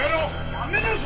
やめなさい！